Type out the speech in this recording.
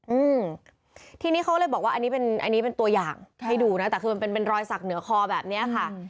อืมทีนี้เขาเลยบอกว่าอันนี้เป็นอันนี้เป็นตัวอย่างให้ดูนะแต่คือมันเป็นเป็นรอยสักเหนือคอแบบเนี้ยค่ะ